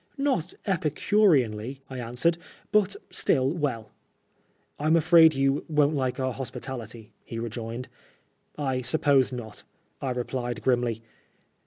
" Not epicureanly," I answered, " but still well." " Tm afraid you won't like our hospitality/' he rejoined. "I suppose not," I replied grimly.